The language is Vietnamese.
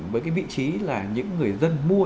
với vị trí là những người dân mua